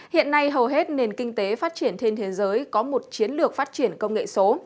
hiện nay hầu hết nền kinh tế phát triển trên thế giới có một chiến lược phát triển công nghệ số